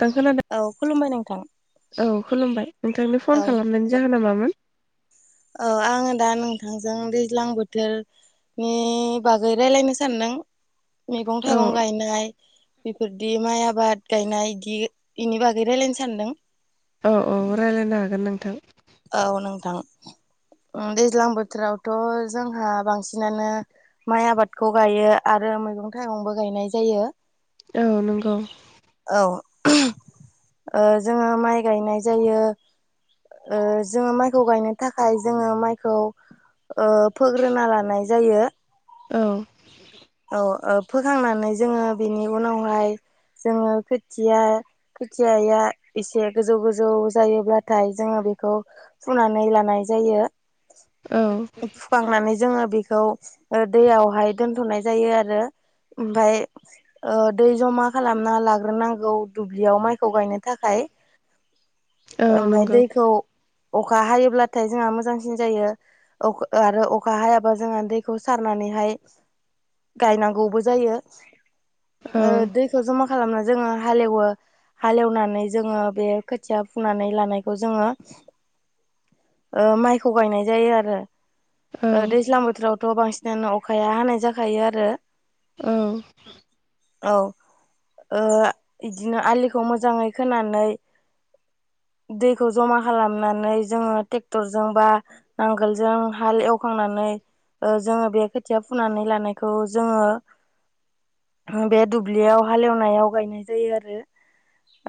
दांखो लोदो औ खुलुमबाय नोंथां। औ खुलुमबाय नोंथांनो औ फन खालामनायनि जाहोना मामोन? औ आङो दा नोंथांजों दैज्लां बोथोर नि बागै रायलायनो सानदों औ मैगं-थाइगं गायनाय बेफोरदि माइ आबाद गायनाय बिदि इनि बागै रायलायनो सानदों। औ औ रायज्लायनो हागोन नोंथां। औ नोंथां उम दैज्लां बोथोरावथ' जोंहा बांसिनानो माइ आबादखौ गायो आरो मैगं-थाइगंबो गायनाय जायो। औ नंगौ। औ ओ जोङो माइ गायनाय जायो। ओ जोङो माइखौ गायनो थाखाय जोङो माइखौ ओ फोग्रोना लानाय जायो। औ औ औ फोखांनानै जोङो बेनि उनावहाय जोङो खोथिया खोथियाया एसे गोजौ गोजौ जायोब्लाथाय जोङो बेखौ फुनानै लानाय जायो। औ फुखांनानै जोङो बेखौ ओ दैयावहाय दोनथ'नाय जायो आरो ओमफाय ओ दै जमा खालामना लाग्रोनांगौ दुब्लियाव माइखौ गायनो थाखाय। औ ओमफाय नंगौ दैखौ अखा हायोब्लाथाय जोंहा मोजांसिन जायो। औ आरो अखा हायाबा जोंहा दैखौ सारनानैहाय गायनांगौबो जायो। औ ओ दै खौ जमा खालामना जोङो हालेवो हालेवनानै जोङो बे खोथिया फुनानै लानायखौ जोङो ओ माइखौ गायनाय जायो आरो। औ ओ दैज्लां बोथोरावथ' बांसिनानो अखाया हानाय जाखायो आरो औ औ ओ इदिनो आलिखौ मोजाङै खोनानै दैखौ जमा खालामनानै जोङो टेक्टरजों बा नांगोल जों हाल एवखांनानै ओ जोङो बे खोथिया फुनानै लानायखौ जोङो ओ बे दुब्लियाव हालेवनायाव गायनाय जायो आरो।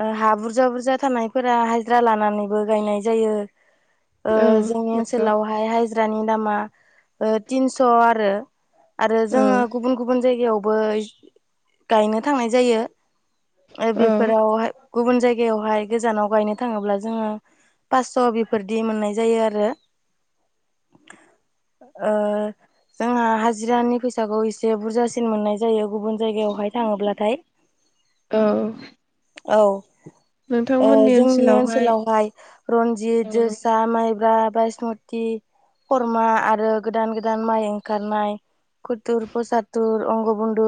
ओ हा बुरजा बुरजा थानायफोरा हाजिरा लानानैबो गायनाय जायो। ओ जोंनि नंगौ ओनसोलावहाय हाजिरानि दामा ओ थिन्स' आरो आरो औ जोङो गुबुन गुबुन जायगायावबो गायनो थांनाय जायो। ओ औ बेफोरावहाय गुबुन जायगायावहाय गोजानाव गायनो थाङोब्ला जोङो फास्स' बेफोरदि मोननाय जायो आरो। [unintelligible] जोंहा हाजिरानि फैसाखौ एसे बुरजासिन मोननाय जायो गुबुन जायगायावहाय थाङोब्लाथाय औ औ जोंनि ओनसोलावहाय औ रन्जित जोसा माइब्रा बायसमत थि खरमा आरो गोदान गोदान माइ ओंखारनाय खुथुर फसाथुर बंग बन्न्दु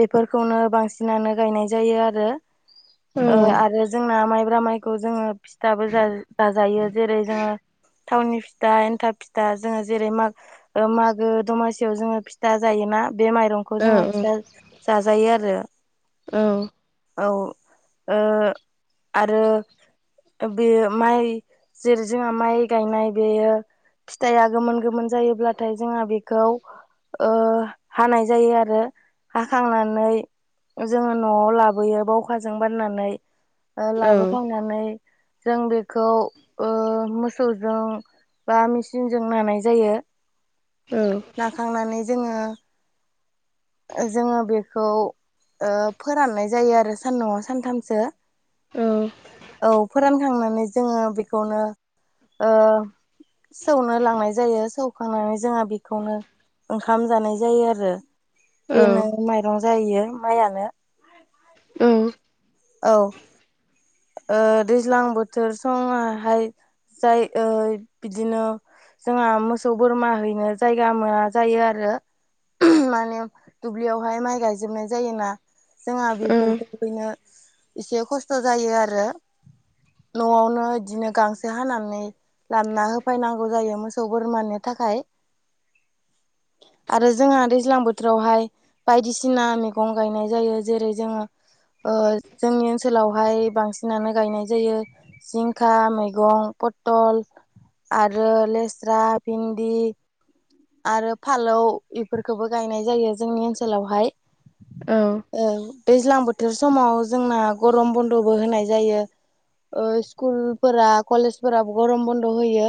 बेफोरखौनो बांसिनानो गायनाय जायो आरो औ आरो जोंना माइब्रा माइखौ जोङो फिथाबो जाजायो जेरै जोङो थावनि फि फिथा एन्थाब फिथा जोङो जेरै मागो मागो दमासियाव जोङो फिथा जायोना बे माइरं बेखौ औ जोंहा औ फिथा जाजायो आरो औ औ आरो बेयो माइ जेरै जोंहा माइ गायनाय बेयो फिथाइआ गोमोन गोमोन जायोब्लाथाय जोंहा बेखौ हानाय जायो आरो हाखांनानै जोङो न'आव लाबोयो बावखाजों बाननानै लाबोखांनानै जों बेखौ मोसौजों बा मेचिनजों नानाय जायो औ नाखांनानै जोङो जोङो बेखौ फोराननाय जायो आरो सान न'आव सानथामसो‌ औ फोरानखांनानै जोङो बेखौनो सौनो लांनाय जायो सौखांनानै जोंहा बेखौनो ओंखाम जानाय जायो आरो बेनो माइरं जाहैयो माइयानो औ औ दैज्लां बोथोर समावहाय जाय बिदिनो जोंहा मोसौ बोरमा हैनो जायगा मोना जायो आरो माने दुब्लियावहाय माइ गायजोबनाय जायोना जोंहा औ औ बेफोरखौ हैनो एसे खस्थ' जायो आरो न'आवनो बिदिनो गांसो हानानै लाबना होफैनांगौ जायो मोसौ बोरमानि थाखाय [unintelligible] आरो जोंहा दैज्लां बोथोरावहाय बायदिसिना मैगं गायनाय जायो जेरै जोङो ओ जोंनि ओनसोलाव बेहाय बांसिनानो गायनाय जायो जिंखा मैगं फथल आरो लेस्रा भिन्दि आरो फालौ इफोरखोबो गायनाय जायो जोंनि ओनसोलावहाय औ औ दैज्लां बोथोर समाव जोंना गरम बन्द'बो होनाय जायो‌ ओ स्कुलफोरा कलेजफोराबो गरम बन्द' होयो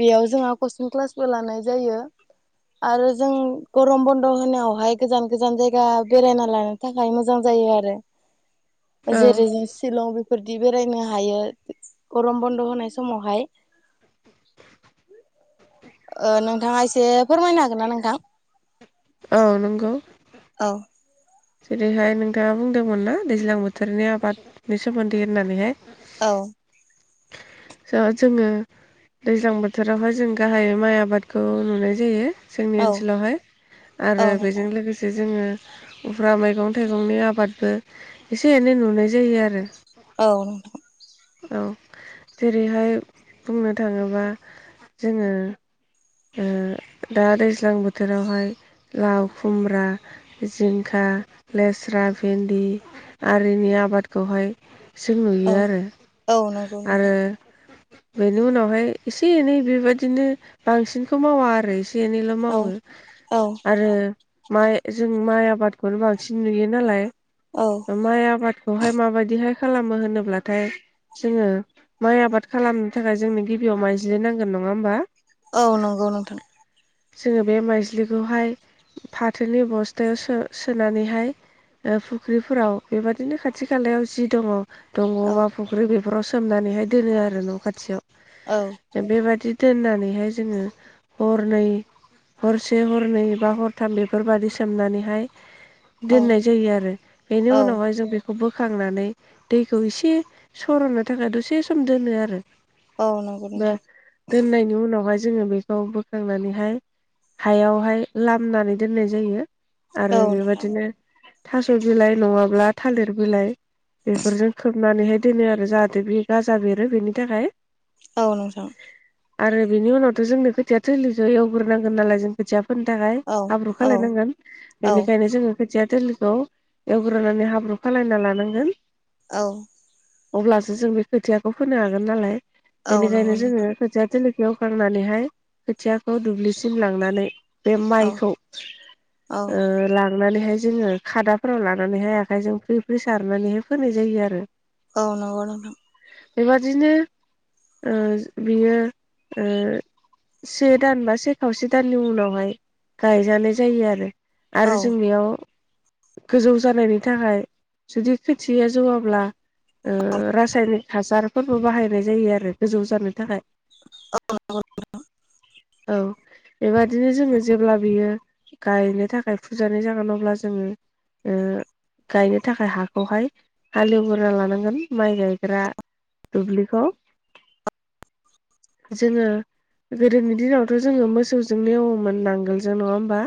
बेयाव जोंहा कचिं क्लासबो लानाय जायो आरो जों गरम बन्द' होनायावहाय गोजान गोजान जायगा बेरायना लानो थाखाय मोजां जायो आरो जेरै जों शिलं बेफोरदि बेरायनो हायो गरम बन्द' होनाय समावहाय ओ नोंथाङा एसे फोरमायनो हागोन ना नोंथां औ नंगौ औ जेरैहाय नोंथाङा बुंदोंमोन ना दैज्लां बोथोरनि आबादनि सोमोन्दै होननानैहाय औ जो जोङो दैज्लां बोथोरावहाय जों गाहायै माइ आबादखौ नुनाय जायो जोंनि औ ओनसोलावहाय औ आरो बेजों नोंथां लोगो जे जोङो उफ्रा मैगं थाइगंनि आबादबो एसे एनै नुनाय जायो आरो। औ। औ, जेरैहाय बुंनो थाङोबा जोङो ओ दा दैज्लां बोथोरावहाय लाव खुमब्रा जिंखा लेस्रा भिन्दि आरिनि आबाद खौहाय जों औ नुयो आरो औ नंगौ आरो नोंथां बेनि उनावहाय एसे एनै बेबायादिनो बांसिनखौ मावा आरो ए से एनैल' औ मावो औ आरो माइ जों माइ आबादखौनो बांसिन नुयोनालाय औ। माइ आबादखौहाय माबायदिहाय खालामो होनोब्लाथाय जोङो माइ आबाद खालामनो थाखाय जोंनो गिबियाव माइज्लि नांगोन नङा होमबा? औ नंगौ नोंथां। जोङो बे माइज्लिखौहाय फाथोनि बस्थायाव सो-सोनानैहाय ओ फुख्रिफोराव बेबादिनो खाथि खालायाव जि दङ दंग' औ बा फुख्रि बेफोराव सोमनानैहाय दोनो आरो न' खाथियाव। औ। दा बेबादि दोननानैहाय जोङो हरनै हरसे हरनै एबा हरथाम बेफोरबादि सोमनानैहाय औ दोननाय जायो आरो। बेनि औ उनावहाय जों बे खौ बोखांनानै दैखौ एसे सर'नो थाखाय दसे सम दोनो आरो। औ नंगौ बा नोंथां। दोननायनि उनावहाय जोङो बेखौ बोखांनानैहाय हायावहाय लामनानै दोननाय जायो औ आरो नोंथां बेबादिनो थास' बिलाइ नङाब्ला थालिर बिलाइ बेफोरजों खोबनानैहाय दोनो आरो जाहाथे बे गाजा बेरो बेनि थाखाय। औ नोंथां। आरो बिनि उनावथ' जोंनो खोथिया थिलिखो एवग्रोनांगोन नालाय जों खोथिया फोनो थाखाय औ हाब्रु औ खालायनांगोन औ बेनिखायनो जोङो खोथिया थिलिखौ एवग्रोनानै हाब्रु खालायना लानांगोन। औ। अब्लासो जों बे खोथियाखौ फोनो हागोन नालाय औ बेनिखायनो नंगौ जोङो नोंथां खोथिया थिलि खौ एवखांनानैहाय खोथियाखौ दुब्लिसिम लांनानै बे औ माइखौ औ ओ लां नानैहाय जोङो खादाफोराव लानानैहाय आखाइजों फ्रि फ्रि सारनानैहाय फोनाय जायो आरो। औ नंगौ नोंथां। बेबादिनो ओ जो बियो ओ से दान बा से खावसे दाननि उनावहाय गायजानाय जायो आरो आरो औ जों बेयाव गोजौ जानायनि थाखाय जुदि खोथिया जौवाब्ला ओ रासायनिक हासारफोरबो बाहायनाय जायो आरो गोजौ जानो थाखाय। [unintelligible] औ, बेबादिनो जोङो जेब्ला बियो गायनो थाखाय फुजानाय जागोन अब्ला जोङो ओ गायनो थाखाय हाखौहाय हालेवग्रोना लानांगोन माइ गायग्रा दुब्लिखौ जोङो। गोदोनि दिनावथ जोङो मोसौजों एवोमोन नांगोलजों नङा होमबा।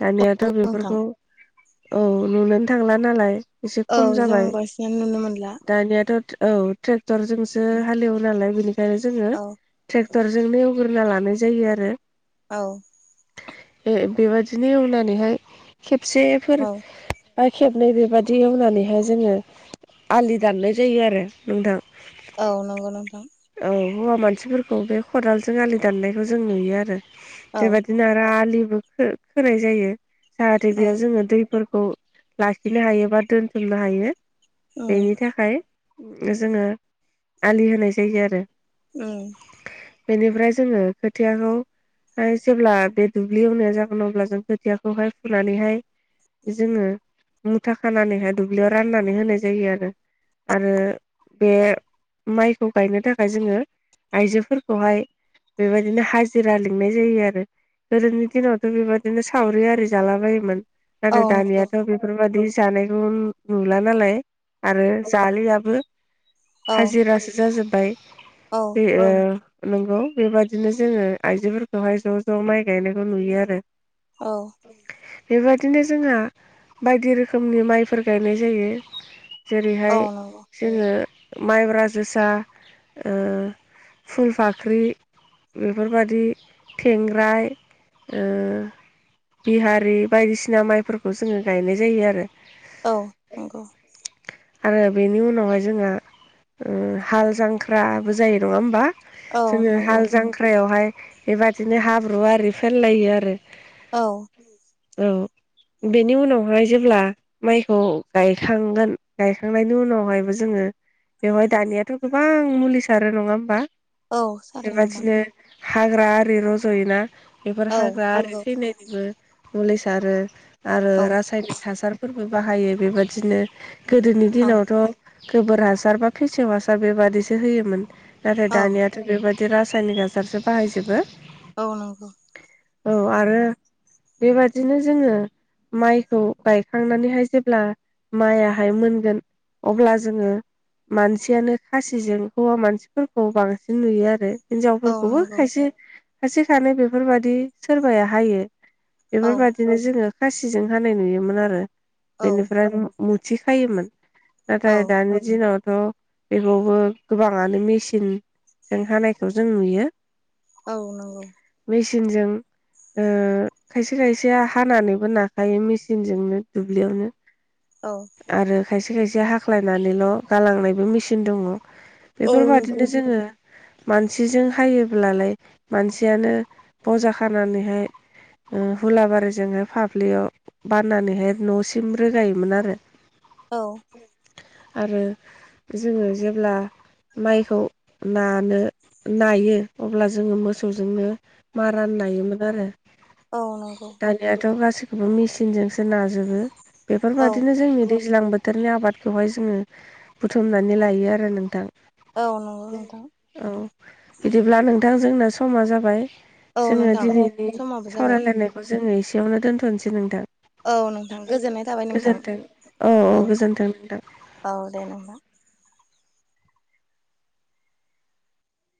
दानियाथ नोंथां बेफोरखौ औ नुनोनो थांला नालाय। एसे औ खम जों जाबाय बांसिनानो नुनो मोनला दानियाथ औ ट्रेक्टर जोंसो हालेवो नालाय बेनिखायनो जोङो औ ट्रेक्टर। जों एवग्रोना लानाय जायो आरो। औ ए-बेबादिनो एवनानैहाय खेबसेफोर औ बा खेबनै बेबायदि एवनानैहाय जोङो आलि दाननाय जायो आरो नोंथां। औ नंगौ नोंथां। औ हौवा मानसिफोरखौ बे खदालजों आलि दाननायखौ जों नुयो आरो औ बेबायदि। [unintelligible] आलिबो खोनाय जायो जाहाथे औ बेयाव जोङो दैफोरखौ। लाखिनो हायो बा दोनथुमनो हायो उम बेनि थाखाय। जोङो आलि होनाय जायो आरो। उम बेनिफ्राय जोङो खोथियाखौ। जेब्ला बे दुब्लि एवनाया जागोन अब्ला जों खोथियाखौहाय फुनानैहाय। जोङो मुथा खानानैहाय दुब्लियाव राननानै होनाय जायो आरो। आरो बे माइखौ गायनो थाखाय जोङो आइजोफोर। खौहाय बेबायदिनो हाजिरा लिंनाय जायो आरो। गोदोनि दिनावथ बेबादिनो सावरि आरि जाला बायोमोन औ नाथाय नंगौ दानियाथ बे बेफोरबायदि जानायखौ नुला नालाय आरो जालियाबो। औ हाजिरासो जाजोब्बाय। औ ए ओ नंगौ बेबादिनो जोङो आइजोफोरखौहाय ज ज माइ गायनायखौ नुयो आरो। औ बेबायदिनो जोंहा बायदि रोखोमनि माइफोर गायनाय जायो। औ जेरैहाय नंगौ जोङो माइब्रा जोसा फुलफाख ख्रि बेफोरबायदि थेंग्राय ओ बिहारि बायदिसिना माइफोरखौ जोङो गायनाय जायो आरो। औ नंगौ आरो बेनि उनावहाय जोंहा हाल जांख्राबो जायो नङा होमबा। औ जोङो नंगौ हाल जांख्रायावहाय बेबादिनो हाब्रु आरि फोनलायो आरो। औ औ बेनि उनावहाय जेब्ला। माइखौ गायखांगोन गायखांनायनि उनावहायबो जोङो। बेवहाय दानियाथ गोबां मुलिसारो नङा होमबा। औ साथो नोंथां बेबादिनो हाग्रा आरि रजयोना बेफोर औ हाग्रा आरि नंगौ थैनाय मुलि सारो आरो औ रासायनिक हासार। फोरबो बाहायो बेबादिनो गोदोनि औ दिनावथ। गोबोर हासार बा फेसेव हासार बेबादिसो होयोमोन नाथाय औ दानिया। थिग बेबायदि रासायनिक आजारजों बाहायजोबो। औ नंगौ औ आरो बेबादिनो जोङो। माइखौ गायखांनानैहाय जेब्ला माइयाहाय मोनगोन। अब्ला जोङो मानसियानो खासिजों हौवा मानसिफोरखौ बांसि बिदि नुयो आरो औ हिनजावफोरखौबो नंगौ खायसे।। खायसे खानै बेफोरबादि सोरबाया हायो औ बेफोरबादि। बिदिनो जोङो खासिजों हानाय नुयोमोन आरो औ बेनिफ्राय मुथि खायोमोन। औ नाथाय दानि दिनावथ' बेखौबो गोबाङानो मेचिन जों हानायखौ जों नुयो। औ नोंगौ मेसिनजों ओ खायसे खायसेया हानानैबो नाखायो मेसिनजोंनो दुब्लियावनो। औ आरो खायसे खायसे हाख्लायनानैल' गालांनायबो मेसिन दङ। औ नंगौ बेफोरबादिनो जोङो। मानसिजों हायोब्लालाय मानसियानो बजा खानानैहाय। ओ हुलाबारि जोङो फाफ्लियाव बाननानैहाय न'सिम रोगायोमोन आरो। औ आरो जोङो जेब्ला माइखौ नानो नायो अब्ला जोङो मोसौजोंनो मारान नायोमोन आरो। औ नंगौ दानिवाथ' गासिखोबो मिचनजोंसो नाजोबो औ बेफोरबायदिनो जोंनि दैज्लां बो बोथोरनि आबादखौहाय जोङो बुथुमनानै लायो आरो नोंथां। औ नंगौ नोंथां औ बिदिब्ला नोंथां जोंना समा जाबाय। औ जोङो नोंथां दिनैनि समाबो जाबाय सावरायलायनायखौ जोङो एसेयावनो दोनथ'नोसै नोंथां। औ नोंथां गोजोननाय थाबाय नोंथां गोजोनथों औ औ गोजोनथों नोंथां। औ दे नोंथां।